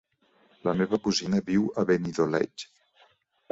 La meva cosina viu a Benidoleig.